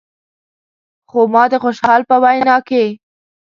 خو ما د خوشحال په وینا کې.